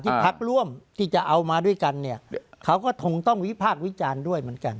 พักร่วมที่จะเอามาด้วยกันเนี่ยเขาก็คงต้องวิพากษ์วิจารณ์ด้วยเหมือนกัน